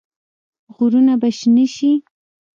غرونه به شنه شي.